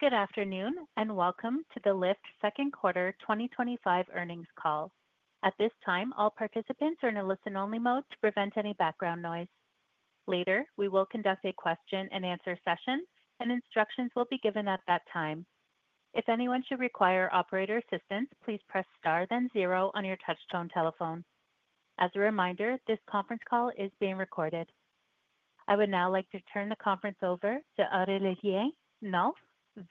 Good afternoon and welcome to the Lyft Second Quarter 2025 Earnings Call. At this time, all participants are in a listen-only mode to prevent any background noise. Later, we will conduct a question and answer session, and instructions will be given at that time. If anyone should require operator assistance, please press star, then zero on your touch-tone telephone. As a reminder, this conference call is being recorded. I would now like to turn the conference over to Aurélien Nolf,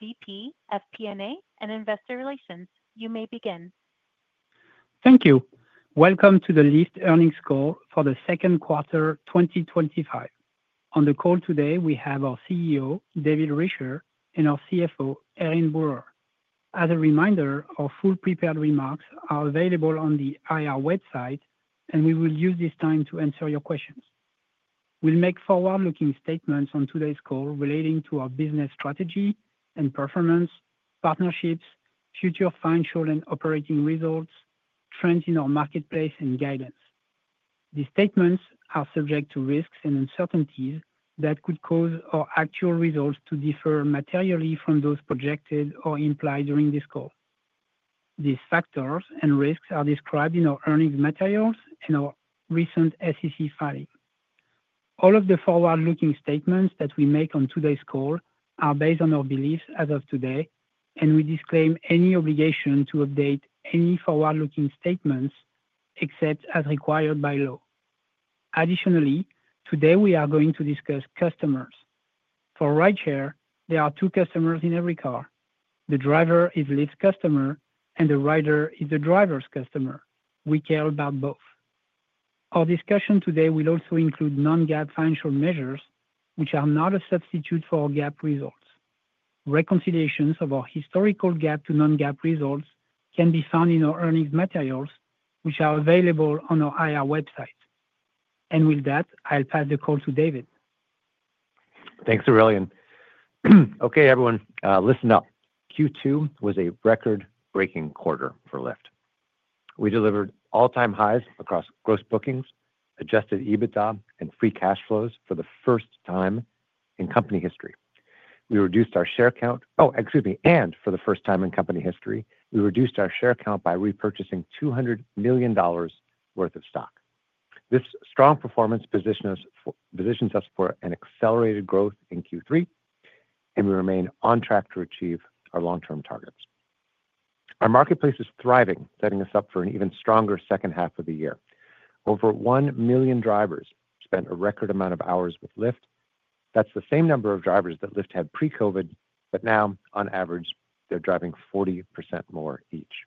VP, FP&A, and Investor Relations. You may begin. Thank you. Welcome to the Lyft Earnings Call for the Second Quarter 2025. On the call today, we have our CEO, David Risher, and our CFO, Erin Brewer. As a reminder, our full prepared remarks are available on the IR website, and we will use this time to answer your questions. We will make forward-looking statements on today's call relating to our business strategy and performance, partnerships, future financial and operating results, trends in our marketplace, and guidance. These statements are subject to risks and uncertainties that could cause our actual results to differ materially from those projected or implied during this call. These factors and risks are described in our earnings materials and our recent SEC filing. All of the forward-looking statements that we make on today's call are based on our beliefs as of today, and we disclaim any obligation to update any forward-looking statements ecept as required by law. Additionally, today we are going to discuss customers. For rideshare, there are two customers in every car. The driver is Lyft's customer, and the rider is the driver's customer. We care about both. Our discussion today will also include non-GAAP financial measures, which are not a substitute for our GAAP results. Reconciliations of our historical GAAP to non-GAAP results can be found in our earnings materials, which are available on our IR website. With that, I'll pass the call to David. Thanks, Aurelien. Okay, everyone, listen up. Q2 was a record-breaking quarter for Lyft. We delivered all-time highs across gross bookings, adjusted EBITDA, and free cash flows for the first time in company history. We reduced our share count, and for the first time in company history, we reduced our share count by repurchasing $200 million worth of stock. This strong performance positions us for accelerated growth in Q3, and we remain on track to achieve our long-term targets. Our marketplace is thriving, setting us up for an even stronger second half of the year. Over 1 million drivers spent a record amount of hours with Lyft. That's the same number of drivers that Lyft had pre-COVID, but now, on average, they're driving 40% more each.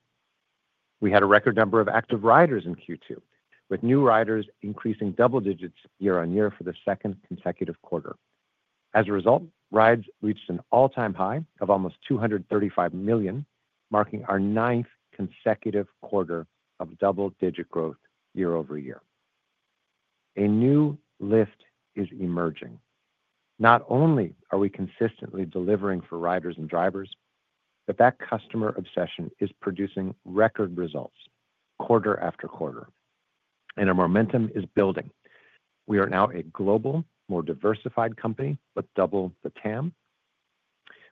We had a record number of active riders in Q2, with new riders increasing double digits year-on-year for the second consecutive quarter. As a result, rides reached an all-time high of almost 235 million, marking our ninth consecutive quarter of double-digit growth year-over-year. A new Lyft is emerging. Not only are we consistently delivering for riders and drivers, but that customer obsession is producing record results quarter after quarter. Our momentum is building. We are now a global, more diversified company, with double the TAM.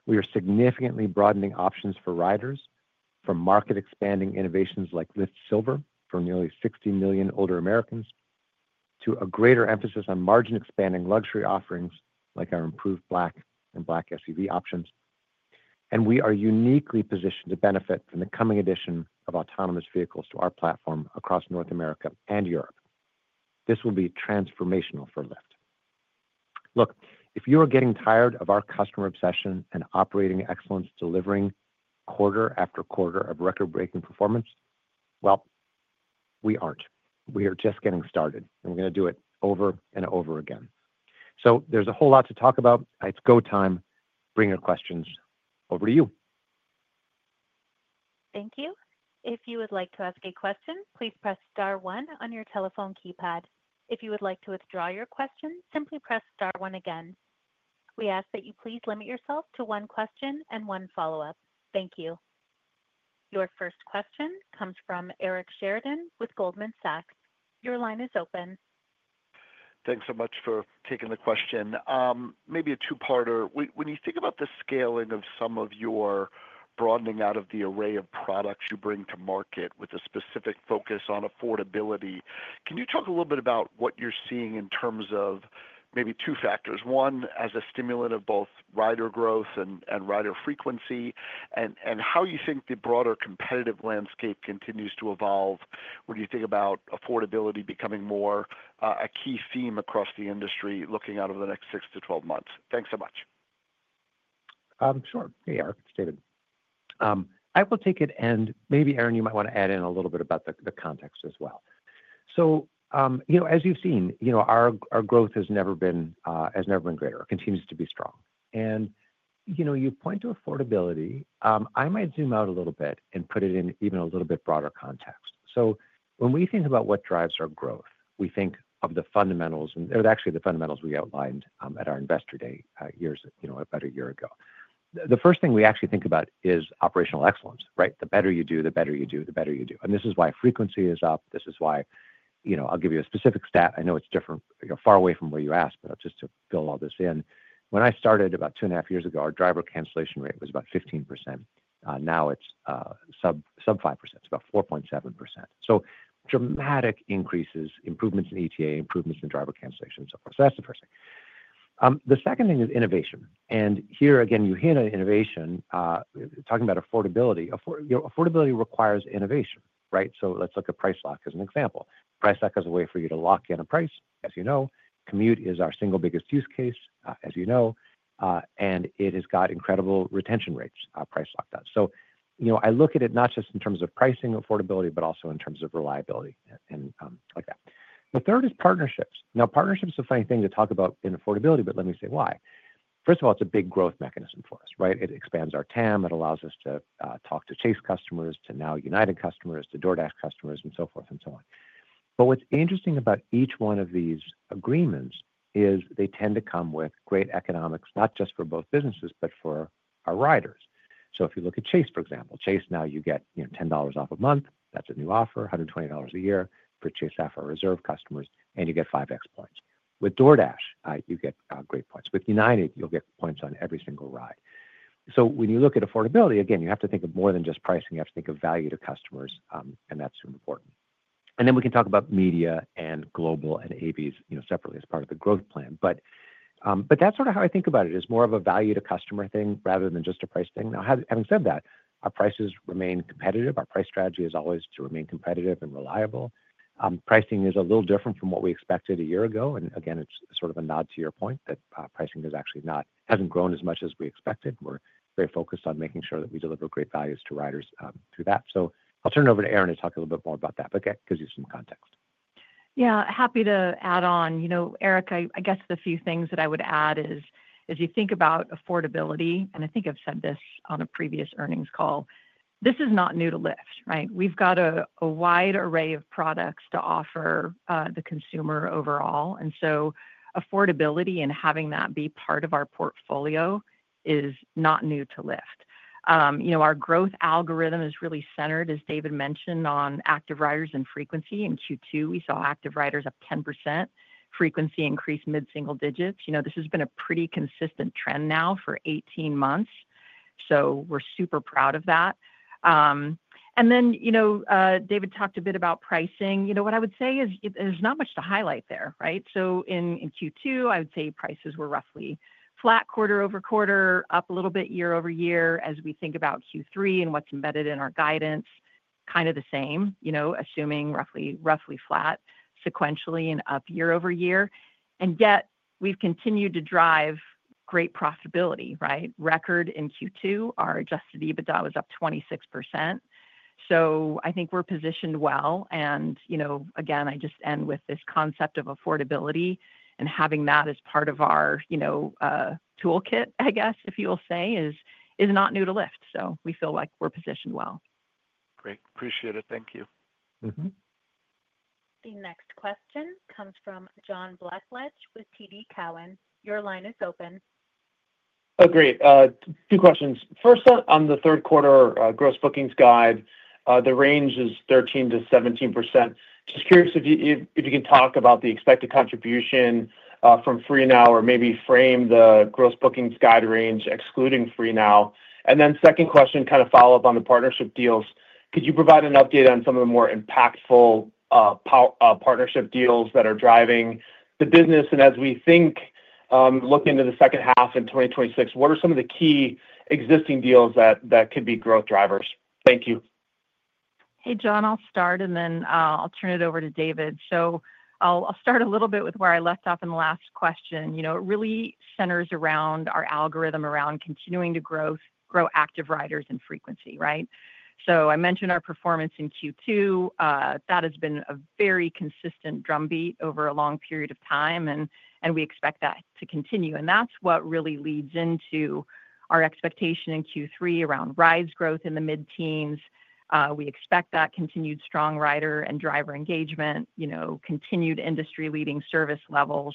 We are significantly broadening options for riders, from market-expanding innovations like Lyft Silver for nearly 60 million older Americans to a greater emphasis on margin-expanding luxury offerings like our improved Black and Black SUV options. We are uniquely positioned to benefit from the coming addition of autonomous vehicles to our platform across North America and Europe. This will be transformational for Lyft. If you are getting tired of our customer obsession and operating excellence delivering quarter after quarter of record-breaking performance, we aren't. We are just getting started, and we're going to do it over and over again. There is a whole lot to talk about. It's go time. Bring your questions over to you. Thank you. If you would like to ask a question, please press star one on your telephone keypad. If you would like to withdraw your question, simply press star one again. We ask that you please limit yourself to one question and one follow-up. Thank you. Your first question comes from Eric Sheridan with Goldman Sachs. Your line is open. Thanks so much for taking the question. Maybe a two-parter. When you think about the scaling of some of your broadening out of the array of products you bring to market with a specific focus on affordability, can you talk a little bit about what you're seeing in terms of maybe two factors? One, as a stimulant of both rider growth and rider frequency, and how you think the broader competitive landscape continues to evolve when you think about affordability becoming more a key theme across the industry looking out over the next six to 12 months? Thanks so much. Sure. Hey, Eric. It's David. I will take it, and maybe Erin, you might want to add in a little bit about the context as well. As you've seen, our growth has never been greater. It continues to be strong. You point to affordability. I might zoom out a little bit and put it in even a little bit broader context. When we think about what drives our growth, we think of the fundamentals, and they're actually the fundamentals we outlined at our Investor Day about a year ago. The first thing we actually think about is operational excellence, right? The better you do, the better you do, the better you do. This is why frequency is up. This is why, I'll give you a specific stat. I know it's different, far away from where you asked, but just to fill all this in. When I started about two and a half years ago, our driver cancellation rate was about 15%. Now it's sub 5%. It's about 4.7%. Dramatic increases, improvements in ETA, improvements in driver cancellation, and so forth. That's the first thing. The second thing is innovation. Here again, you hear innovation, talking about affordability. Affordability requires innovation, right? Let's look at Price Lock as an example. Price Lock is a way for you to lock in a price, as you know. Commute is our single biggest use case, as you know, and it has got incredible retention rates, Price Lock does. I look at it not just in terms of pricing and affordability, but also in terms of reliability and like that. The third is partnerships. Partnerships is a funny thing to talk about in affordability, but let me say why. First of all, it's a big growth mechanism for us, right? It expands our TAM. It allows us to talk to Chase customers, to now United customers, to DoorDash customers, and so forth and so on. What's interesting about each one of these agreements is they tend to come with great economics, not just for both businesses, but for our riders. If you look at Chase, for example, Chase, now you get $10 off a month. That's a new offer, $120 a year for Chase Sapphire Reserve customers, and you get five times points. With DoorDash, you get great points. With United, you'll get points on every single ride. When you look at affordability, again, you have to think of more than just pricing. You have to think of value to customers, and that's important. We can talk about media and global and AVs separately as part of the growth plan. That is sort of how I think about it, more of a value to customer thing rather than just a price thing. Having said that, our prices remain competitive. Our price strategy is always to remain competitive and reliable. Pricing is a little different from what we expected a year ago. It is sort of a nod to your point that pricing has actually not grown as much as we expected. We are very focused on making sure that we deliver great values to riders through that. I'll turn it over to Erin to talk a little bit more about that, but that gives you some context. Yeah, happy to add on. You know, Eric, I guess the few things that I would add is as you think about affordability, and I think I've said this on a previous earnings call, this is not new to Lyft, right? We've got a wide array of products to offer the consumer overall. Affordability and having that be part of our portfolio is not new to Lyft. You know, our growth algorithm is really centered, as David mentioned, on active riders and frequency. In Q2, we saw active riders up 10%, frequency increase mid-single digits. This has been a pretty consistent trend now for 18 months. We're super proud of that. David talked a bit about pricing. What I would say is there's not much to highlight there, right? In Q2, I would say prices were roughly flat quarter-over-quarter, up a little bit year-over-year. As we think about Q3 and what's embedded in our guidance, kind of the same, assuming roughly flat, sequentially and up year-over-year. Yet we've continued to drive great profitability, right? Record in Q2, our adjusted EBITDA was up 26%. I think we're positioned well. Again, I just end with this concept of affordability and having that as part of our toolkit, I guess, if you will say, is not new to Lyft. We feel like we're positioned well. Great. Appreciate it. Thank you. The next question comes from John Blackledge with TD Cowen. Your line is open. Agree. Two questions. First, on the third quarter gross bookings guide, the range is 13%-17%. Just curious if you can talk about the expected contribution from FreeNow or maybe frame the gross bookings guide range excluding FreeNow. Second question, kind of follow up on the partnership deals. Could you provide an update on some of the more impactful partnership deals that are driving the business? As we look into the second half in 2026, what are some of the key existing deals that could be growth drivers? Thank you. Hey, John. I'll start and then I'll turn it over to David. I'll start a little bit with where I left off in the last question. It really centers around our algorithm around continuing to grow active riders and frequency, right? I mentioned our performance in Q2. That has been a very consistent drumbeat over a long period of time, and we expect that to continue. That's what really leads into our expectation in Q3 around rides growth in the mid-teens. We expect that continued strong rider and driver engagement, continued industry-leading service levels.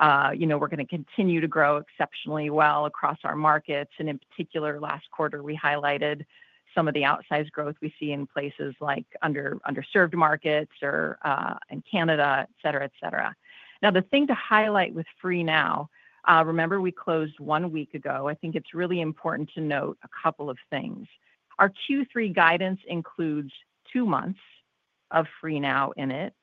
We're going to continue to grow exceptionally well across our markets. In particular, last quarter, we highlighted some of the outsized growth we see in places like underserved markets or in Canada, etc. The thing to highlight with FreeNow, remember we closed one week ago. I think it's really important to note a couple of things. Our Q3 guidance includes two months of FreeNow in it.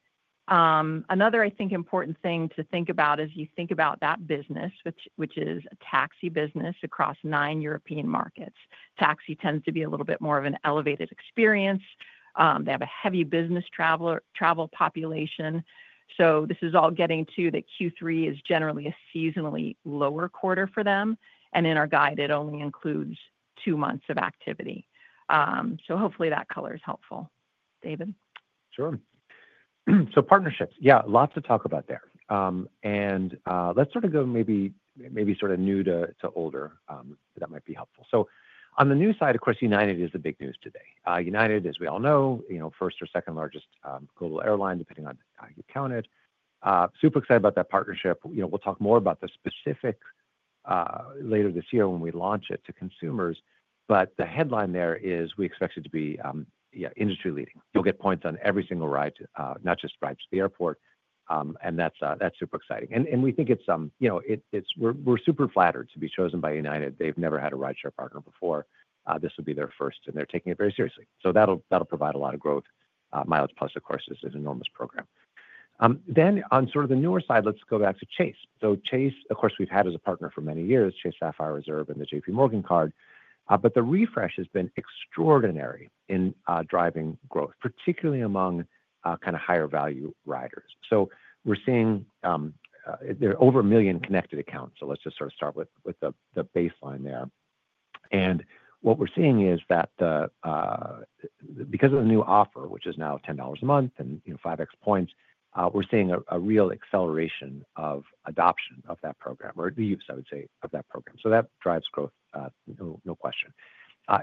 Another important thing to think about as you think about that business, which is a taxi business across nine European markets. Taxi tends to be a little bit more of an elevated experience. They have a heavy business travel population. This is all getting to that Q3 is generally a seasonally lower quarter for them. In our guide, it only includes two months of activity. Hopefully that color is helpful, David. Sure. Partnerships, yeah, lots to talk about there. Let's sort of go maybe sort of new to older. That might be helpful. On the new side, of course, United is the big news today. United, as we all know, first or second largest global airline, depending on how you count it. Super excited about that partnership. We'll talk more about the specifics later this year when we launch it to consumers. The headline there is we expect it to be industry leading. You'll get points on every single ride, not just rides to the airport. That's super exciting. We think it's, you know, we're super flattered to be chosen by United. They've never had a rideshare partner before. This would be their first, and they're taking it very seriously. That'll provide a lot of growth. MileagePlus, of course, is an enormous program. On the newer side, let's go back to Chase. Chase, of course, we've had as a partner for many years, Chase Sapphire Reserve and the JPMorgan card. The refresh has been extraordinary in driving growth, particularly among kind of higher value riders. We're seeing there's over a million connected accounts. Let's just sort of start with the baseline there. What we're seeing is that because of the new offer, which is now $10 a month and 5x points, we're seeing a real acceleration of adoption of that program, or the use, I would say, of that program. That drives growth, no question.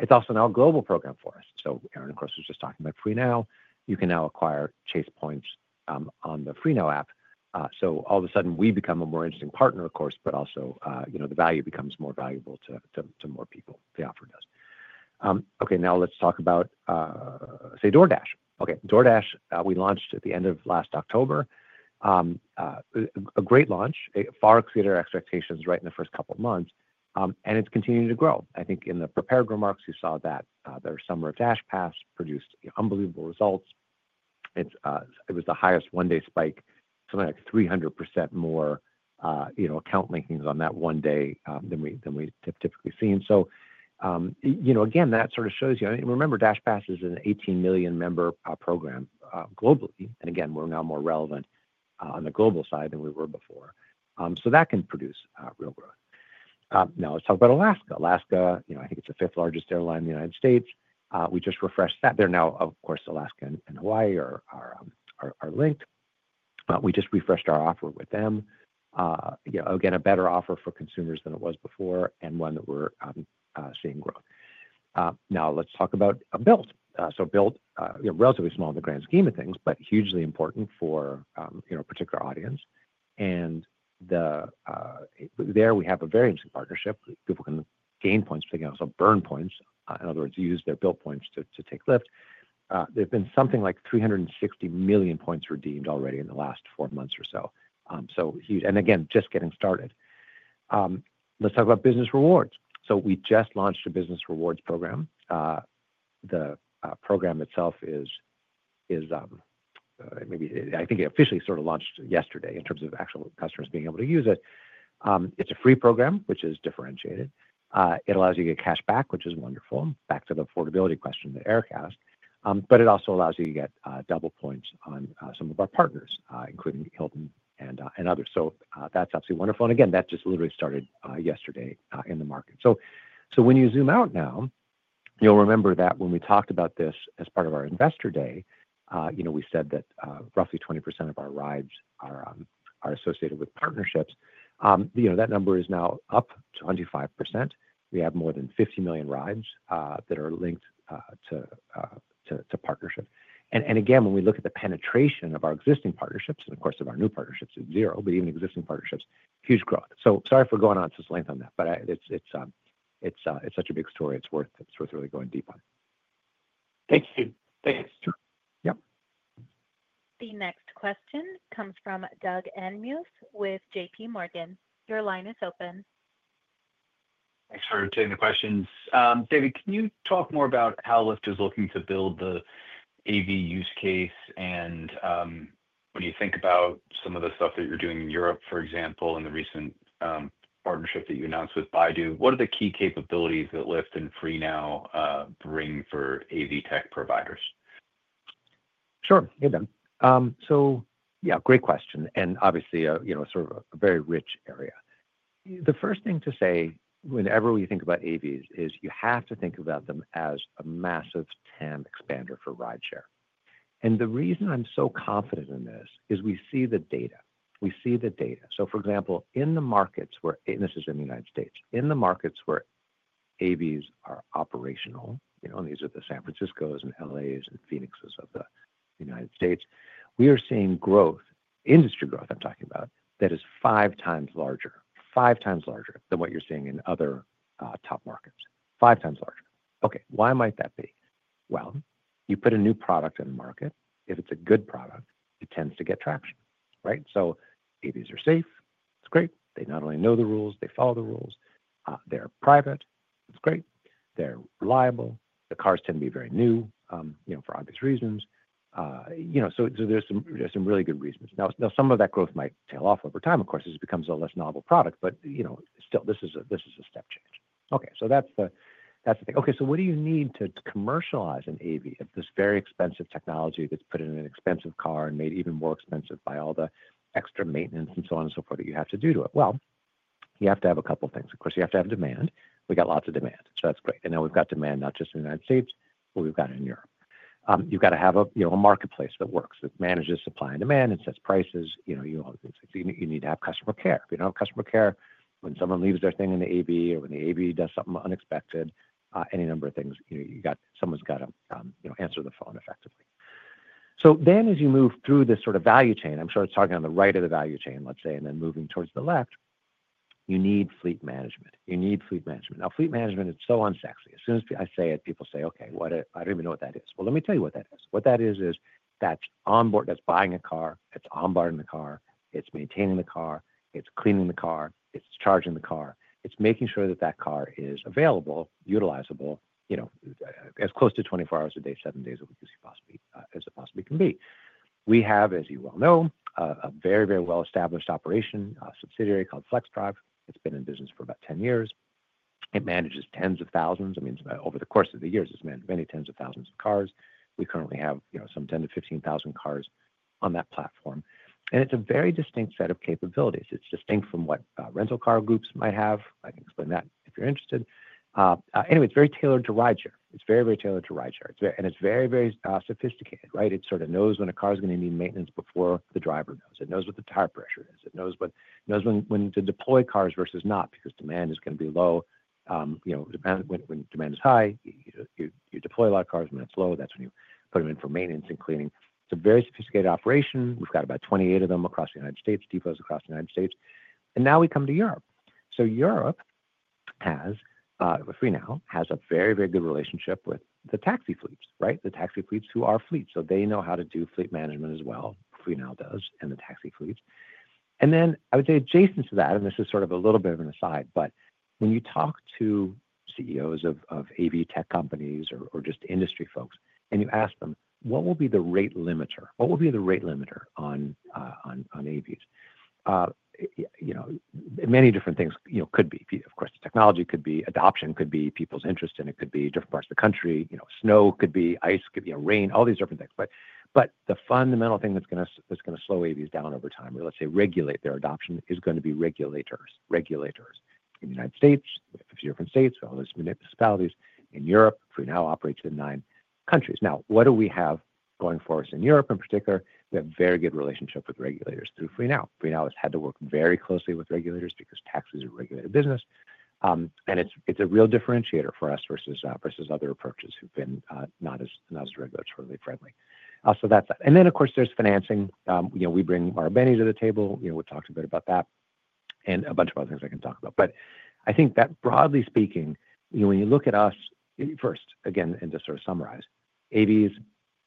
It's also now a global program for us. Erin, of course, was just talking about FreeNow. You can now acquire Chase points on the FreeNow app. All of a sudden, we become a more interesting partner, of course, but also, you know, the value becomes more valuable to more people, the offer does. Now let's talk about, say, DoorDash. DoorDash, we launched at the end of last October. A great launch, far exceeded our expectations right in the first couple of months. It's continued to grow. I think in the prepared remarks, you saw that their summer DashPass produced unbelievable results. It was the highest one-day spike, something like 300% more account linkings on that one day than we typically see. That sort of shows you, I mean, remember, DashPass is an 18-million-member program globally. Again, we're now more relevant on the global side than we were before. That can produce real growth. Now let's talk about Alaska. Alaska, you know, I think it's the fifth largest airline in the United States. We just refreshed that. They're now, of course, Alaska and Hawaii are linked. We just refreshed our offer with them. You know, again, a better offer for consumers than it was before and one that we're seeing growth. Now let's talk about Bilt. So Bilt, you know, relatively small in the grand scheme of things, but hugely important for a particular audience. There we have a very interesting partnership. People can gain points, but they can also burn points. In other words, use their Bilt points to take Lyft. There's been something like 360 million points redeemed already in the last four months or so. Huge. Again, just getting started. Let's talk about business rewards. We just launched a business rewards program. The program itself is maybe, I think it officially sort of launched yesterday in terms of actual customers being able to use it. It's a free program, which is differentiated. It allows you to get cash back, which is wonderful. Back to the affordability question that Eric asked. It also allows you to get double points on some of our partners, including Hilton and others. That's absolutely wonderful. Again, that just literally started yesterday in the market. When you zoom out now, you'll remember that when we talked about this as part of our Investor Day, we said that roughly 20% of our rides are associated with partnerships. That number is now up 25%. We have more than 50 million rides that are linked to partnership. When we look at the penetration of our existing partnerships and, of course, of our new partnerships, it's zero, but even existing partnerships, huge growth. Sorry for going on to this length on that, but it's such a big story. It's worth really going deep on it. Thank you. Thanks. Sure. Yeah. The next question comes from Doug Anmuth with JPMorgan. Your line is open. Thanks for taking the questions. David, can you talk more about how Lyft is looking to build the AV use case? When you think about some of the stuff that you're doing in Europe, for example, in the recent partnership that you announced with Baidu, what are the key capabilities that Lyft and FreeNow bring for AV tech providers? Sure, give them. Yeah, great question. Obviously, you know, sort of a very rich area. The first thing to say whenever we think about AVs is you have to think about them as a massive TAM expander for rideshare. The reason I'm so confident in this is we see the data. We see the data. For example, in the markets where, and this is in the United States, in the markets where AVs are operational, you know, and these are the San Franciscos and L.A.s and Phoenixes of the United States, we are seeing growth, industry growth, I'm talking about, that is five times larger, five times larger than what you're seeing in other top markets. Five times larger. Okay, why might that be? You put a new product in the market. If it's a good product, it tends to get traction, right? AVs are safe. It's great. They not only know the rules, they follow the rules. They're private. It's great. They're reliable. The cars tend to be very new, you know, for obvious reasons. There are some really good reasons. Some of that growth might tail off over time, of course, as it becomes a less novel product, but you know, still, this is a step change. That's the thing. What do you need to commercialize an AV of this very expensive technology that's put in an expensive car and made even more expensive by all the extra maintenance and so on and so forth that you have to do to it? You have to have a couple of things. Of course, you have to have demand. We got lots of demand. That's great. Now we've got demand not just in the United States, but we've got it in Europe. You've got to have a marketplace that works, that manages supply and demand and sets prices. You need to have customer care. If you don't have customer care, when someone leaves their thing in the AV or when the AV does something unexpected, any number of things, you've got someone's got to answer the phone effectively. As you move through this sort of value chain, I'm sort of talking on the right of the value chain, let's say, and then moving towards the left, you need fleet management. You need fleet management. Fleet management is so unsexy. As soon as I say it, people say, okay, what? I don't even know what that is. Let me tell you what that is. What that is, is that's onboarding, that's buying a car, it's onboarding the car, it's maintaining the car, it's cleaning the car, it's charging the car, it's making sure that that car is available, utilizable, you know, as close to 24 hours a day, seven days a week as it possibly can be. We have, as you well know, a very, very well-established operation subsidiary called Flexdrive. It's been in business for about 10 years. It manages tens of thousands. I mean, over the course of the years, it's managed many tens of thousands of cars. We currently have, you know, some 10,000-15,000 cars on that platform. It's a very distinct set of capabilities. It's distinct from what rental car groups might have. I can explain that if you're interested. Anyway, it's very tailored to rideshare. It's very, very tailored to rideshare. It's very, very sophisticated, right? It sort of knows when a car is going to need maintenance before the driver knows. It knows what the tire pressure is. It knows when to deploy cars versus not because demand is going to be low. You know, when demand is high, you deploy a lot of cars. When it's low, that's when you put them in for maintenance and cleaning. It's a very sophisticated operation. We've got about 28 of them across the United States, depots across the United States. Now we come to Europe. Europe has, FreeNow has a very, very good relationship with the taxi fleets, right? The taxi fleets who are fleets. They know how to do fleet management as well. FreeNow does and the taxi fleets. I would say adjacent to that, and this is sort of a little bit of an aside, but when you talk to CEOs of AV tech companies or just industry folks and you ask them, what will be the rate limiter? What will be the rate limiter on AVs? Many different things, you know, could be. Of course, the technology could be, adoption could be, people's interest in it could be, different parts of the country, you know, snow could be, ice could be, you know, rain, all these different things. The fundamental thing that's going to slow AVs down over time, let's say regulate their adoption, is going to be regulators. Regulators in the United States, a few different states, all those municipalities. In Europe, FreeNow operates in nine countries. What do we have going for us in Europe in particular? We have a very good relationship with regulators through FreeNow. FreeNow has had to work very closely with regulators because taxis are a regulated business. It's a real differentiator for us versus other approaches who've been not as regulatory friendly. That's that. Of course, there's financing. We bring more revenue to the table. We've talked a bit about that and a bunch of other things I can talk about. I think that broadly speaking, when you look at us, first, again, and just sort of summarize, AVs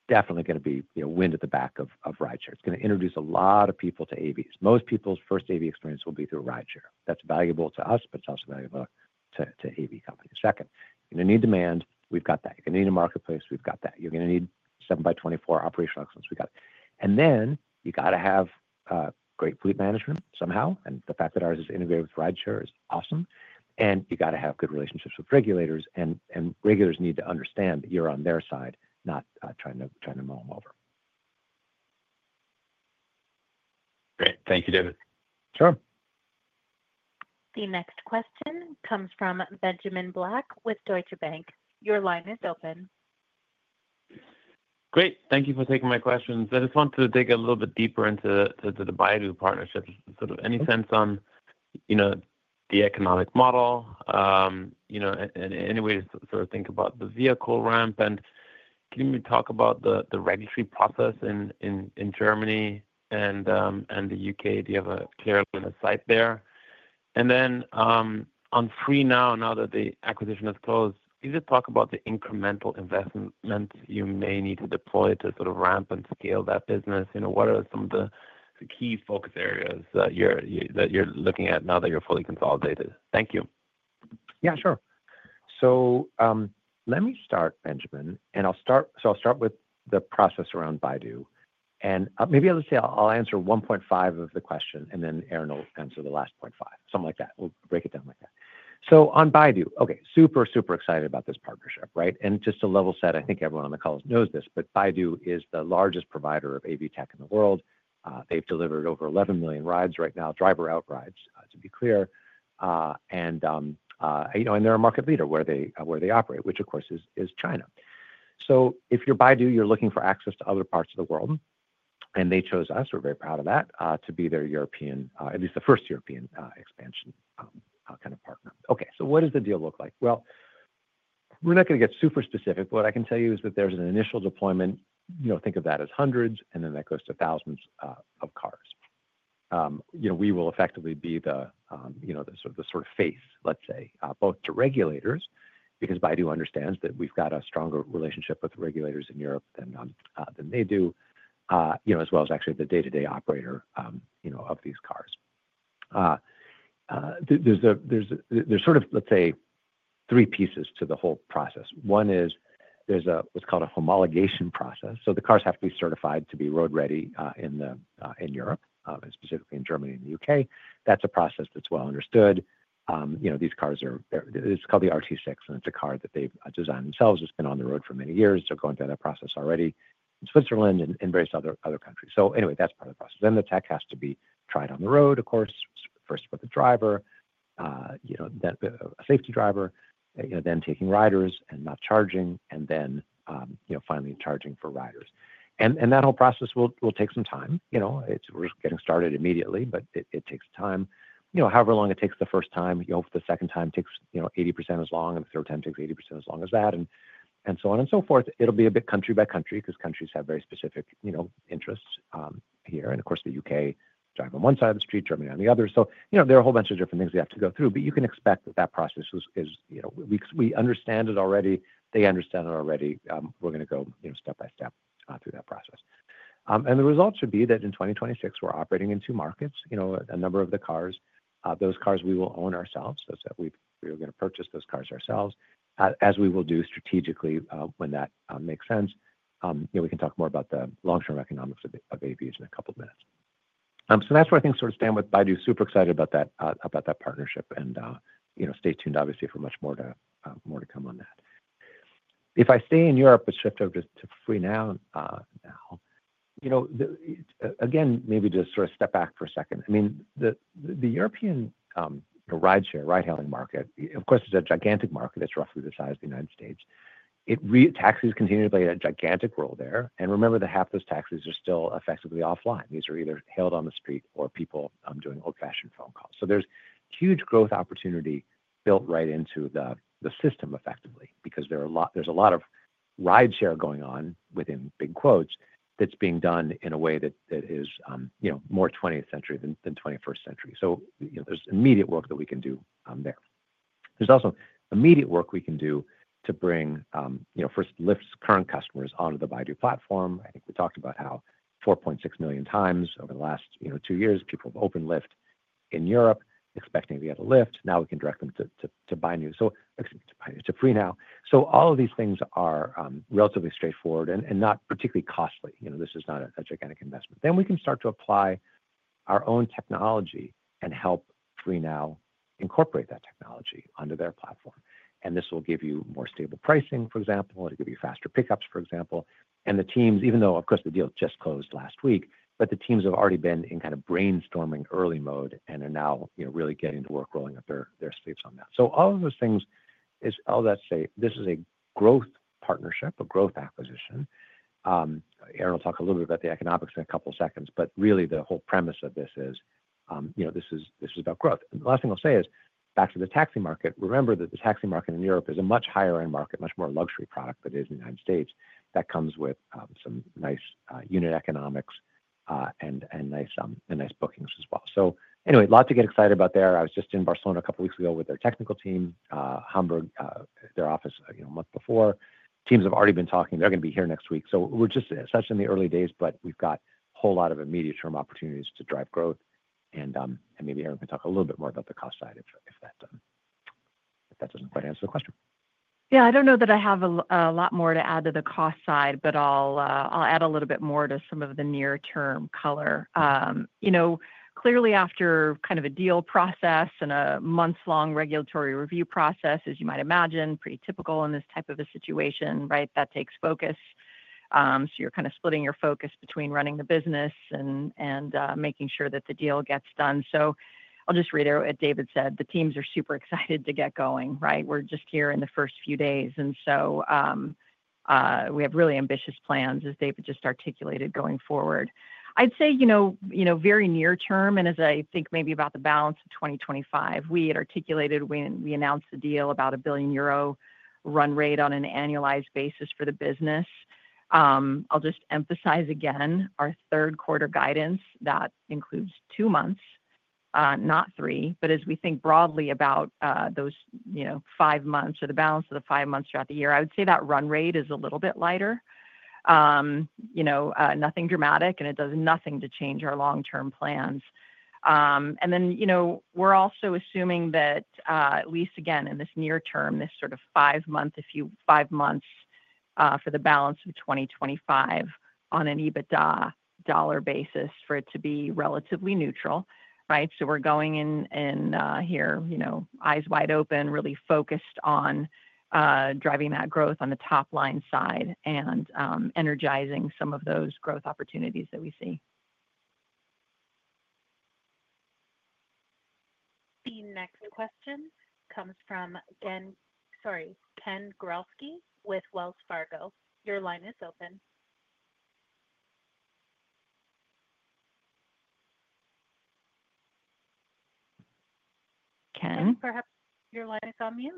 definitely going to be wind at the back of rideshare. It's going to introduce a lot of people to AVs. Most people's first AV experience will be through rideshare. That's valuable to us, but it's also valuable to AV companies. Second, you're going to need demand. We've got that. You're going to need a marketplace. We've got that. You're going to need 7/24 operational excellence. We've got it. You've got to have great fleet management somehow. The fact that ours is integrated with rideshare is awesome. You've got to have good relationships with regulators. Regulators need to understand that you're on their side, not trying to mull them over. Great. Thank you, David. Sure. The next question comes from Benjamin Black with Deutsche Bank. Your line is open. Great. Thank you for taking my questions. I just wanted to dig a little bit deeper into the Baidu partnership. Any sense on, you know, the economic model, and any way to think about the vehicle ramp? Can you talk about the regulatory process in Germany and the U.K.? Do you have a clear line of sight there? On FreeNow, now that the acquisition is closed, can you talk about the incremental investments you may need to deploy to ramp and scale that business? What are some of the key focus areas that you're looking at now that you're fully consolidated? Thank you. Yeah, sure. Let me start, Benjamin. I'll start with the process around Baidu. Maybe I'll just say I'll answer 1.5 of the question, and then Erin will answer the last 0.5, something like that. We'll break it down like that. On Baidu, okay, super, super excited about this partnership, right? Just to level set, I think everyone on the call knows this, but Baidu is the largest provider of AV tech in the world. They've delivered over 11 million rides right now, driver-out rides, to be clear. They're a market leader where they operate, which of course is China. If you're Baidu, you're looking for access to other parts of the world. They chose us, we're very proud of that, to be their European, at least the first European expansion kind of partner. What does the deal look like? We're not going to get super specific, but what I can tell you is that there's an initial deployment, think of that as hundreds, and then that goes to thousands of cars. We will effectively be the sort of face, let's say, both to regulators, because Baidu understands that we've got a stronger relationship with regulators in Europe than they do, as well as actually the day-to-day operator of these cars. There's sort of, let's say, three pieces to the whole process. One is there's what's called a homologation process. The cars have to be certified to be road ready in Europe, specifically in Germany and the U.K. That's a process that's well understood. These cars are called the RT6, and it's a car that they've designed themselves. It's been on the road for many years. They're going through that process already in Switzerland and various other countries. That's part of the process. Then the tech has to be tried on the road, of course, first with a driver, a safety driver, then taking riders and not charging, and then finally charging for riders. That whole process will take some time. We're getting started immediately, but it takes time. However long it takes the first time, the second time takes 80% as long, and the third time takes 80% as long as that, and so on and so forth. It'll be a bit country by country because countries have very specific interests here. Of course, the U.K. is driving on one side of the street, Germany on the other. There are a whole bunch of different things we have to go through, but you can expect that process is, you know, we understand it already. They understand it already. We're going to go step by step through that process. The result should be that in 2026, we're operating in two markets. A number of the cars, those cars we will own ourselves. We're going to purchase those cars ourselves, as we will do strategically when that makes sense. We can talk more about the long-term economics of AVs in a couple of minutes. That's where things sort of stand with Baidu. Super excited about that partnership. Stay tuned, obviously, for much more to come on that. If I stay in Europe, a shift over to FreeNow. Maybe just sort of step back for a second. The European rideshare, ride-hailing market, of course, is a gigantic market. It's roughly the size of the United States. It really is that taxis continue to play a gigantic role there. Remember that half those taxis are still effectively offline. These are either hailed on the street or people doing old-fashioned phone calls. There's huge growth opportunity built right into the system effectively because there's a lot of rideshare going on within big quotes that's being done in a way that is more 20th century than 21st century. There's immediate work that we can do there. There's also immediate work we can do to bring first Lyft's current customers onto the Baidu platform. I think we talked about how 4.6 million times over the last two years, people have opened Lyft in Europe, expecting to be at a Lyft. Now we can direct them to Baidu, to FreeNow. All of these things are relatively straightforward and not particularly costly. This is not a gigantic investment. We can start to apply our own technology and help FreeNow incorporate that technology onto their platform. This will give you more stable pricing, for example, to give you faster pickups, for example. The teams, even though the deal just closed last week, have already been in kind of brainstorming early mode and are now really getting to work rolling up their sleeves on that. All of those things is all that say this is a growth partnership, a growth acquisition. Erin will talk a little bit about the economics in a couple of seconds, but really the whole premise of this is, you know, this is about growth. The last thing I'll say is back to the taxi market. Remember that the taxi market in Europe is a much higher-end market, much more luxury product than it is in the United States. That comes with some nice unit economics and nice bookings as well. Anyway, lots to get excited about there. I was just in Barcelona a couple of weeks ago with their technical team, Hamburg, their office, you know, a month before. Teams have already been talking. They're going to be here next week. We're just such in the early days, but we've got a whole lot of immediate-term opportunities to drive growth. Maybe Erin can talk a little bit more about the cost side if that doesn't quite answer the question. Yeah, I don't know that I have a lot more to add to the cost side, but I'll add a little bit more to some of the near-term color. Clearly, after kind of a deal process and a months-long regulatory review process, as you might imagine, pretty typical in this type of a situation, right? That takes focus. You're kind of splitting your focus between running the business and making sure that the deal gets done. I'll just reiterate what David said. The teams are super excited to get going, right? We're just here in the first few days, and we have really ambitious plans, as David just articulated, going forward. I'd say, very near-term, and as I think maybe about the balance of 2025, we had articulated when we announced the deal about a €1 billion run rate on an annualized basis for the business. I'll just emphasize again our third quarter guidance that includes two months, not three, but as we think broadly about those five months or the balance of the five months throughout the year, I would say that run rate is a little bit lighter. Nothing dramatic, and it does nothing to change our long-term plans. We're also assuming that at least again in this near term, this sort of five months, if you five months for the balance of 2025 on an EBITDA dollar basis for it to be relatively neutral, right? We're going in here, eyes wide open, really focused on driving that growth on the top line side and energizing some of those growth opportunities that we see. The next question comes from Ken Gawrelski with Wells Fargo. Your line is open. Ken, perhaps your line is on mute.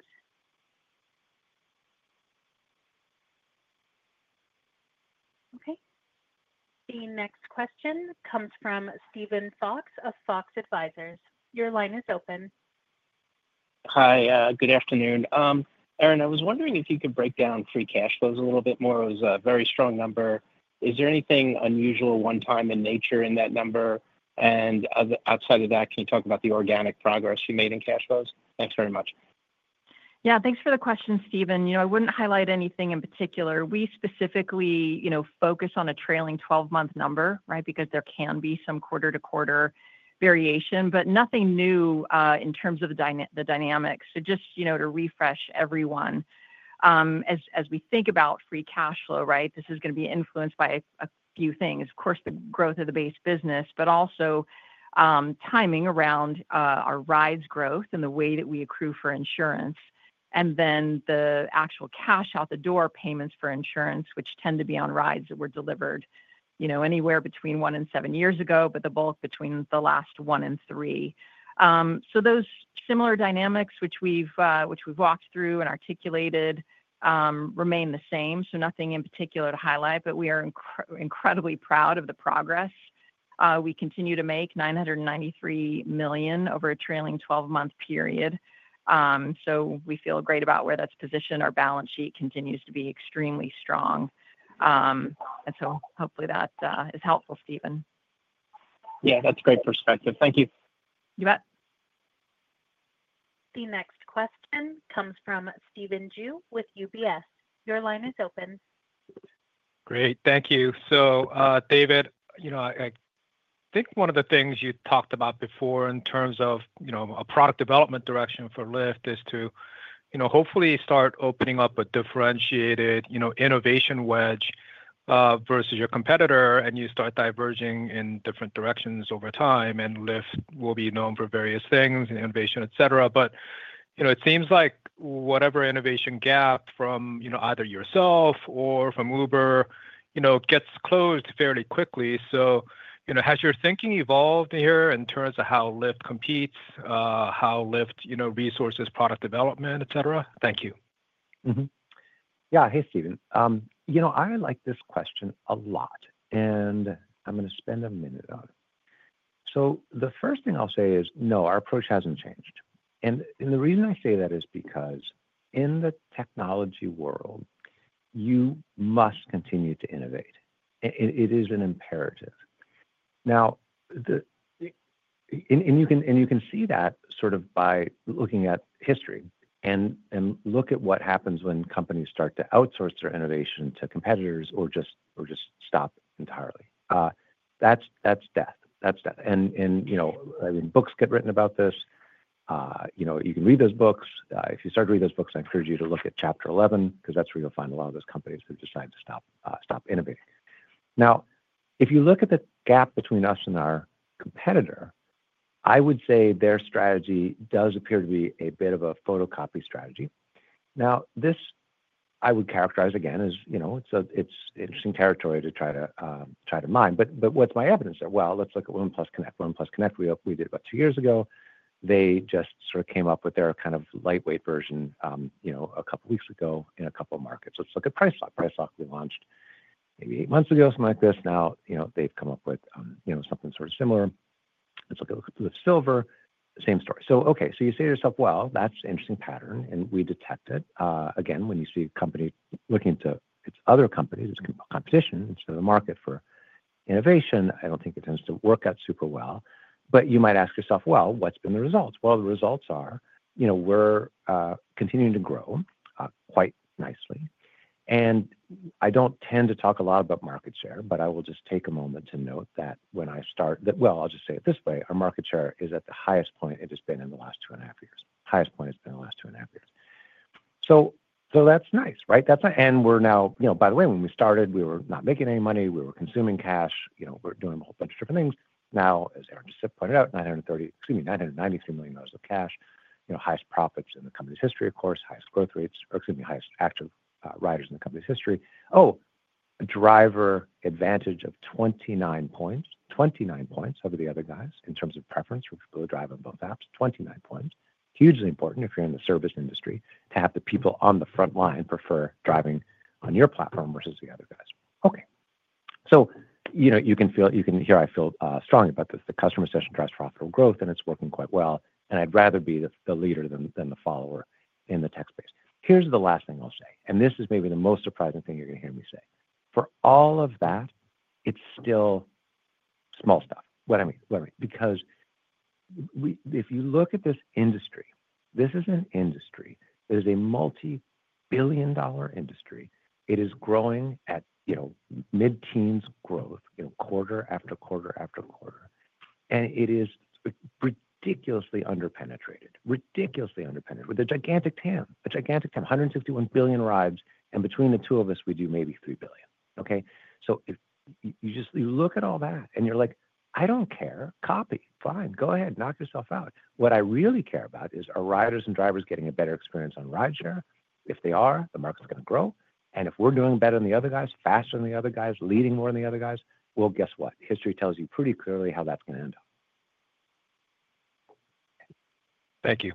The next question comes from Steven Fox of Fox Advisors. Your line is open. Hi, good afternoon. Erin, I was wondering if you could break down free cash flows a little bit more. It was a very strong number. Is there anything unusual, one-time in nature in that number? Outside of that, can you talk about the organic progress you made in cash flows? Thanks very much. Yeah, thanks for the question, Steven. I wouldn't highlight anything in particular. We specifically focus on a trailing 12-month number, right? Because there can be some quarter-to-quarter variation, but nothing new in terms of the dynamics. Just to refresh everyone, as we think about free cash flow, this is going to be influenced by a few things. Of course, the growth of the base business, but also timing around our rides' growth and the way that we accrue for insurance. The actual cash out the door payments for insurance tend to be on rides that were delivered anywhere between one and seven years ago, but the bulk between the last one and three. Those similar dynamics, which we've walked through and articulated, remain the same. Nothing in particular to highlight, but we are incredibly proud of the progress. We continue to make $993 million over a trailing 12-month period. We feel great about where that's positioned. Our balance sheet continues to be extremely strong. Hopefully that is helpful, Steven. Yeah, that's a great perspective. Thank you. You bet. The next question comes from Stephen Ju with UBS. Your line is open. Great, thank you. David, I think one of the things you talked about before in terms of a product development direction for Lyft is to hopefully start opening up a differentiated innovation wedge versus your competitor, and you start diverging in different directions over time. Lyft will be known for various things, innovation, etc. It seems like whatever innovation gap from either yourself or from Uber gets closed fairly quickly. Has your thinking evolved here in terms of how Lyft competes, how Lyft resources, product development, etc? Thank you. Yeah, hey Stephen. I like this question a lot, and I'm going to spend a minute on it. The first thing I'll say is no, our approach hasn't changed. The reason I say that is because in the technology world, you must continue to innovate. It is an imperative. You can see that sort of by looking at history and look at what happens when companies start to outsource their innovation to competitors or just stop entirely. That's death. That's death. Books get written about this. You can read those books. If you start to read those books, I encourage you to look at Chapter 11 because that's where you'll find a lot of those companies who decide to stop innovating. If you look at the gap between us and our competitor, I would say their strategy does appear to be a bit of a photocopy strategy. This I would characterize again as, you know, it's interesting territory to try to mine. What's my evidence there? Let's look at OnePlus Connect. OnePlus Connect, we did about two years ago. They just sort of came up with their kind of lightweight version a couple of weeks ago in a couple of markets. Let's look at Price Lock. Price Lock, we launched maybe eight months ago, something like this. They've come up with something sort of similar. Let's look at Lyft Silver, same story. You say to yourself, that's an interesting pattern, and we detect it. Again, when you see a company looking to other companies as competition instead of the market for innovation, I don't think it tends to work out super well. You might ask yourself, what's been the result? The results are, we're continuing to grow quite nicely. I don't tend to talk a lot about market share, but I will just take a moment to note that when I start, I'll just say it this way, our market share is at the highest point it has been in the last two and a half years. Highest point it's been in the last two and a half years. That's nice, right? We're now, by the way, when we started, we were not making any money. We were consuming cash. We were doing a whole bunch of different things. Now, as Erin just pointed out, $993 million of cash. Highest profits in the company's history, of course, highest growth rates, or highest active riders in the company's history. Oh, a driver advantage of 29 points, 29 points over the other guys in terms of preference for people to drive on both apps, 29 points. Hugely important if you're in the service industry to have the people on the front line prefer driving on your platform versus the other guys. You can feel, you can hear I feel strongly about this. The customer session drives profitable growth, and it's working quite well. I'd rather be the leader than the follower in the tech space. Here's the last thing I'll say. This is maybe the most surprising thing you're going to hear me say. For all of that, it's still small stuff. What I mean, what I mean, because if you look at this industry, this is an industry. It is a multi-billion dollar industry. It is growing at, you know, mid-teens growth, quarter after quarter after quarter. It is ridiculously underpenetrated, ridiculously underpenetrated with a gigantic TAM, a gigantic TAM, 151 billion rides. Between the two of us, we do maybe 3 billion. If you just, you look at all that and you're like, I don't care, copy, fine, go ahead, knock yourself out. What I really care about is are riders and drivers getting a better experience on rideshare. If they are, the market's going to grow. If we're doing better than the other guys, faster than the other guys, leading more than the other guys, guess what? History tells you pretty clearly how that's going to end up. Thank you.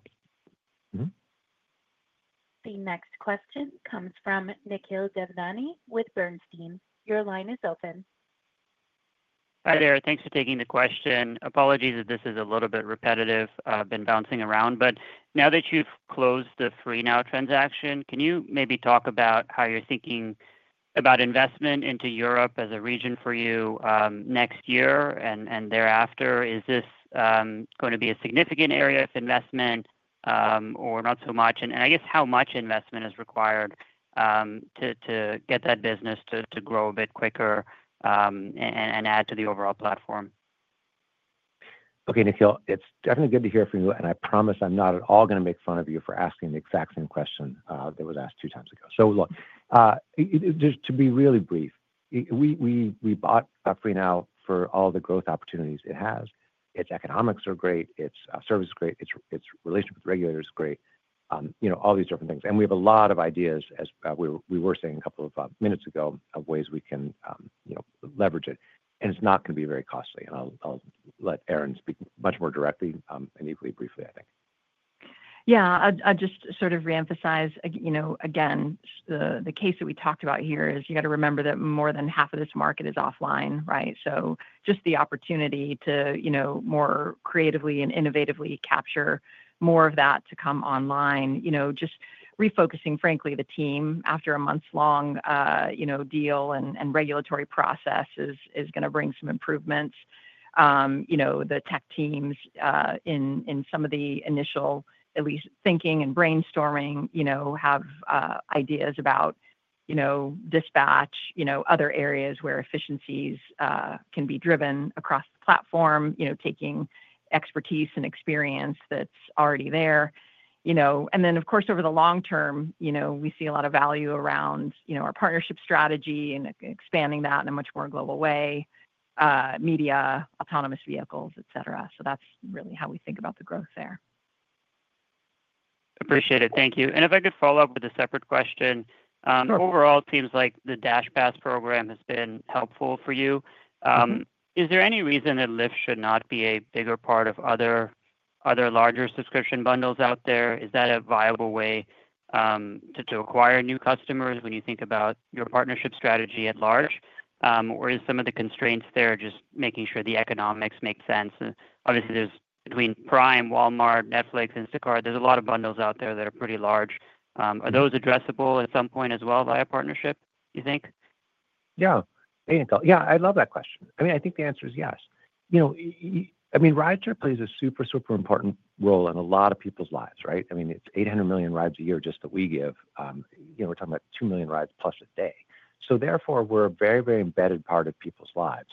The next question comes from Nikhil Devdani with Bernstein. Your line is open. Hi there. Thanks for taking the question. Apologies if this is a little bit repetitive. I've been bouncing around. Now that you've closed the FreeNow transaction, can you maybe talk about how you're thinking about investment into Europe as a region for you next year and thereafter? Is this going to be a significant area of investment or not so much? I guess how much investment is required to get that business to grow a bit quicker and add to the overall platform? Okay, Nikhil, it's definitely good to hear from you. I promise I'm not at all going to make fun of you for asking the exact same question that was asked two times ago. Just to be really brief, we bought FreeNow for all the growth opportunities it has. Its economics are great. Its service is great. Its relationship with regulators is great. All these different things. We have a lot of ideas, as we were saying a couple of minutes ago, of ways we can leverage it. It's not going to be very costly. I'll let Erin speak much more directly and equally briefly, I think. I'll just sort of reemphasize, you know, again, the case that we talked about here is you got to remember that more than half of this market is offline, right? Just the opportunity to more creatively and innovatively capture more of that to come online. Refocusing, frankly, the team after a months-long deal and regulatory process is going to bring some improvements. The tech teams in some of the initial, at least, thinking and brainstorming have ideas about dispatch, other areas where efficiencies can be driven across the platform, taking expertise and experience that's already there. Of course, over the long-term, we see a lot of value around our partnership strategy and expanding that in a much more global way, media, autonomous vehicles, etc. That's really how we think about the growth there. Appreciate it. Thank you. If I could follow up with a separate question, overall, it seems like the DashPass program has been helpful for you. Is there any reason that Lyft should not be a bigger part of other larger subscription bundles out there? Is that a viable way to acquire new customers when you think about your partnership strategy at large? Is some of the constraints there just making sure the economics make sense? Obviously, there's between Prime, Walmart, Netflix, Instacart, there's a lot of bundles out there that are pretty large. Are those addressable at some point as well via partnership, do you think? Yeah. Hey, yeah, I love that question. I think the answer is yes. Rideshare plays a super, super important role in a lot of people's lives, right? It's 800 million rides a year just that we give. We're talking about 2 million rides plus a day. Therefore, we're a very, very embedded part of people's lives.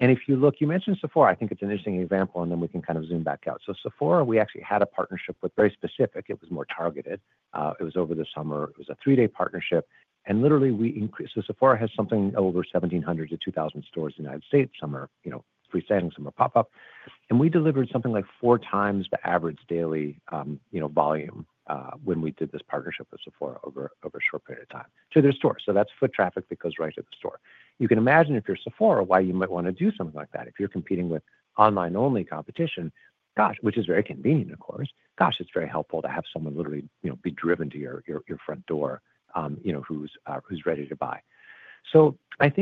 You mentioned Sephora, I think it's an interesting example, and then we can kind of zoom back out. Sephora, we actually had a partnership with, very specific. It was more targeted. It was over the summer. It was a three-day partnership. Literally, we increased, so Sephora has something over 1,700 to 2,000 stores in the United States. Some are freestanding, some are pop-up. We delivered something like four times the average daily volume when we did this partnership with Sephora over a short period of time to their store. That's foot traffic that goes right to the store. You can imagine if you're Sephora, why you might want to do something like that. If you're competing with online-only competition, which is very convenient, of course, it's very helpful to have someone literally be driven to your front door, who's ready to buy.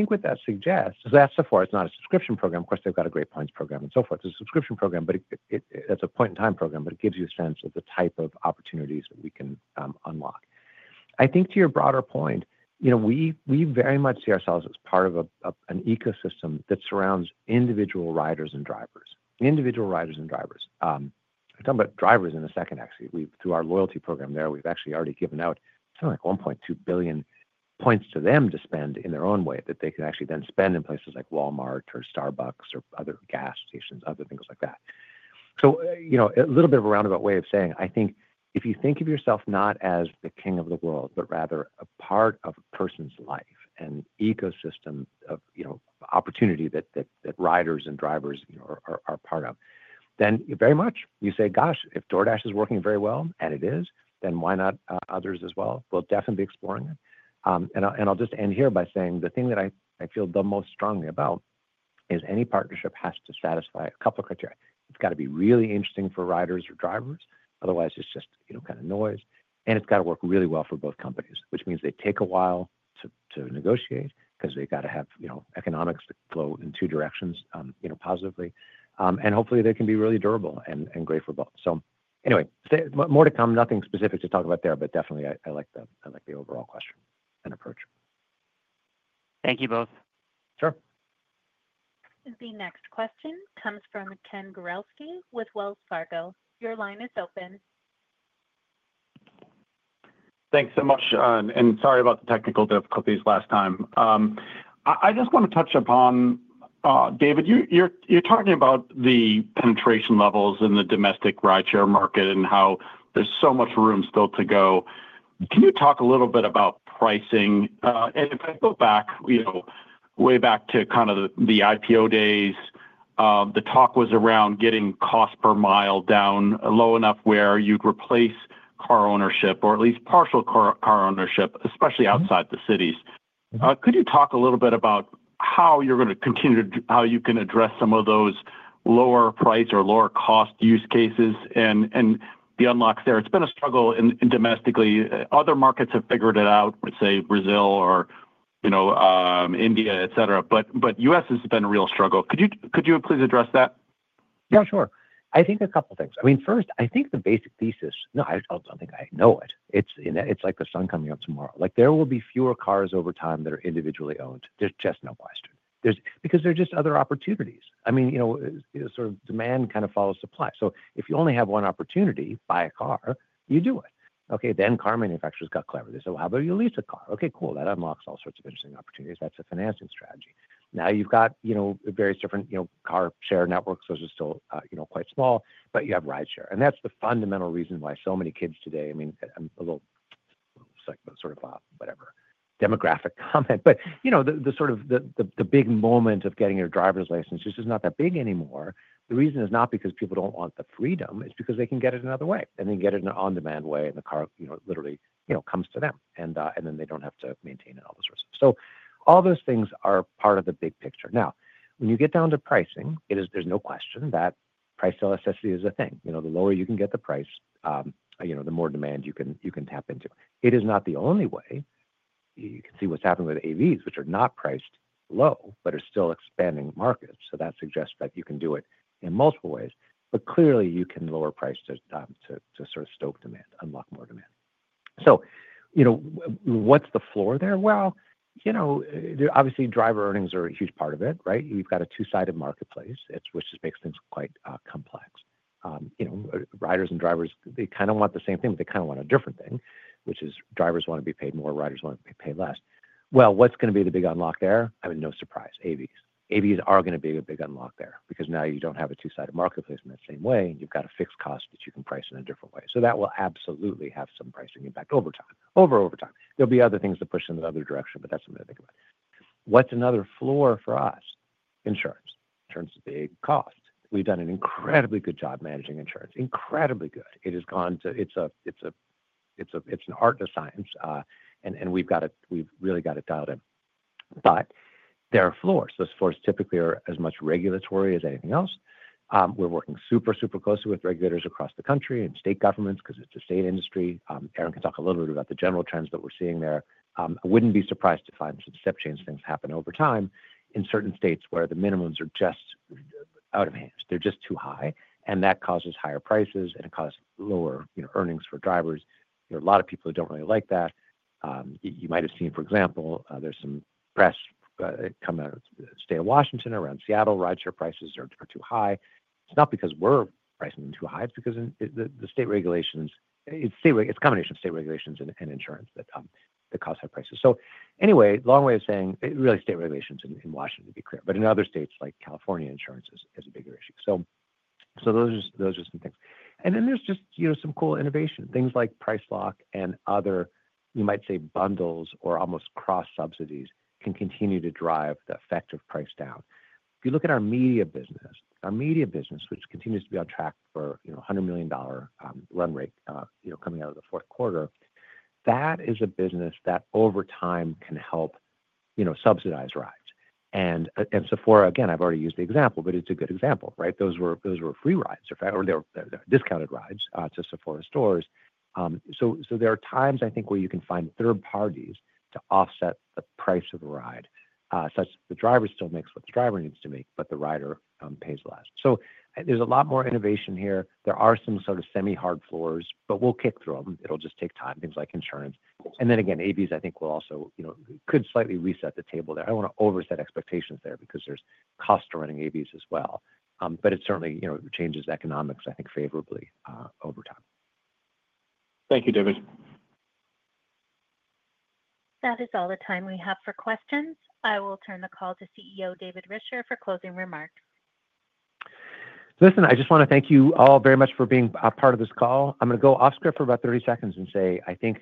What that suggests, that's Sephora. It's not a subscription program. Of course, they've got a great points program and so forth. It's a subscription program, but it's a point-in-time program, but it gives you a sense of the type of opportunities that we can unlock. To your broader point, we very much see ourselves as part of an ecosystem that surrounds individual riders and drivers. Individual riders and drivers. I'm talking about drivers in a second, actually. Through our loyalty program there, we've actually already given out something like 1.2 billion points to them to spend in their own way that they could actually then spend in places like Walmart or Starbucks or other gas stations, other things like that. A little bit of a roundabout way of saying, I think if you think of yourself not as the king of the world, but rather a part of a person's life and ecosystem of opportunity that riders and drivers are part of, then very much you say, if DoorDash is working very well, and it is, then why not others as well? We'll definitely be exploring it. I'll just end here by saying the thing that I feel the most strongly about is any partnership has to satisfy a couple of criteria. It's got to be really interesting for riders or drivers. Otherwise, it's just kind of noise. It's got to work really well for both companies, which means they take a while to negotiate because they've got to have economics that flow in two directions, positively. Hopefully, they can be really durable and great for both. Anyway, more to come, nothing specific to talk about there, but definitely, I like the overall question and approach. Thank you both. Sure. The next question comes from Ken Gawrelski with Wells Fargo. Your line is open. Thanks so much. Sorry about the technical difficulties last time. I just want to touch upon, David, you're talking about the penetration levels in the domestic rideshare market and how there's so much room still to go. Can you talk a little bit about pricing? If I go back, you know, way back to kind of the IPO days, the talk was around getting cost per mile down low enough where you'd replace car ownership or at least partial car ownership, especially outside the cities. Could you talk a little bit about how you're going to continue to, how you can address some of those lower price or lower cost use cases and the unlocks there? It's been a struggle domestically. Other markets have figured it out, let's say Brazil or, you know, India, etc. The U.S. has been a real struggle. Could you please address that? Sure. I think a couple of things. First, I think the basic thesis, I just told something. I know it. It's like the sun coming up tomorrow. There will be fewer cars over time that are individually owned. There's just no question because there are just other opportunities. Sort of demand kind of follows supply. If you only have one opportunity, buy a car, you do it. Car manufacturers got clever. They say, how about you lease a car? Cool. That unlocks all sorts of interesting opportunities. That's a financing strategy. Now you've got various different car share networks. Those are still quite small, but you have rideshare. That's the fundamental reason why so many kids today, I mean, I'm a little psycho, sort of whatever, demographic comment, but the big moment of getting your driver's license, it's just not that big anymore. The reason is not because people don't want the freedom. It's because they can get it another way. They can get it in an on-demand way, and the car literally comes to them. They don't have to maintain it all the time. All those things are part of the big picture. When you get down to pricing, there's no question that price elasticity is a thing. The lower you can get the price, the more demand you can tap into. It is not the only way. You can see what's happening with AVs, which are not priced low, but are still expanding markets. That suggests that you can do it in multiple ways. Clearly, you can lower prices to stoke demand, unlock more demand. What's the floor there? Obviously, driver earnings are a huge part of it, right? You've got a two-sided marketplace, which just makes things quite complex. Riders and drivers, they kind of want the same thing, but they kind of want a different thing, which is drivers want to be paid more, riders want to be paid less. What's going to be the big unlock there? No surprise, AVs. AVs are going to be a big unlock there because now you don't have a two-sided marketplace in that same way, and you've got a fixed cost that you can price in a different way. That will absolutely have some pricing impact over time. Over time, there'll be other things to push in the other direction, but that's something to think about. What's another floor for us? Insurance is a big cost. We've done an incredibly good job managing insurance. Incredibly good. It has gone to, it's an art and a science. We've really got it dialed in. There are floors. Those floors typically are as much regulatory as anything else. We're working super closely with regulators across the country and state governments because it's a state industry. Erin can talk a little bit about the general trends that we're seeing there. I wouldn't be surprised to find some step-change things happen over time in certain states where the minimums are just out of hand. They're just too high. That causes higher prices, and it causes lower earnings for drivers. A lot of people don't really like that. You might have seen, for example, there's some press come out of the state of Washington around Seattle. Rideshare prices are too high. It's not because we're pricing them too high. It's because the state regulations, it's a combination of state regulations and insurance that cause high prices. Anyway, a long way of saying really state regulations in Washington to be clear. In other states, like California, insurance is a bigger issue. Those are some things. Then there's just some cool innovation. Things like Price Lock and other, you might say, bundles or almost cross-subsidies can continue to drive the effect of price down. If you look at our media business, our media business, which continues to be on track for a $100 million run rate coming out of the fourth quarter, that is a business that over time can help subsidize rides. Sephora, again, I've already used the example, but it's a good example, right? Those were free rides, or they were discounted rides to Sephora stores. There are times, I think, where you can find third parties to offset the price of a ride, such that the driver still makes what the driver needs to make, but the rider pays less. There's a lot more innovation here. There are some sort of semi-hard floors, but we'll kick through them. It'll just take time, things like insurance. AVs, I think, will also, you know, could slightly reset the table there. I don't want to overset expectations there because there's costs to running AVs as well. It certainly changes economics, I think, favorably over time. Thank you, David. That is all the time we have for questions. I will turn the call to CEO David Risher for closing remarks. Listen, I just want to thank you all very much for being a part of this call. I'm going to go off script for about 30 seconds and say, I think,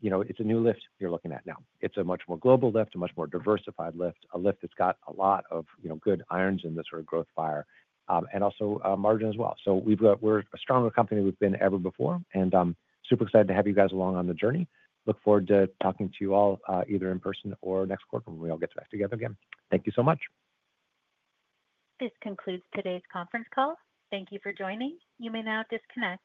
you know, it's a new Lyft you're looking at now. It's a much more global Lyft, a much more diversified Lyft, a Lyft that's got a lot of good irons in this sort of growth fire and also margin as well. We're a stronger company than we've been ever before. I'm super excited to have you guys along on the journey. I look forward to talking to you all either in person or next quarter when we all get back together again. Thank you so much. This concludes today's conference call. Thank you for joining. You may now disconnect.